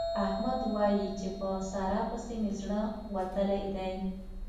احمد وايي چې په سارا پسې مې زړه وتلی دی.